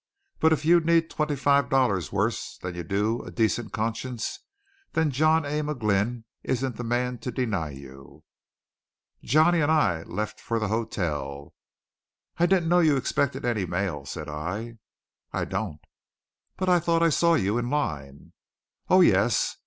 "But if you need twenty five dollars worse than you do a decent conscience, then John A. McGlynn isn't the man to deny you!" Johnny and I left for the hotel. "I didn't know you expected any mail," said I. "I don't." "But thought I saw you in line " "Oh, yes.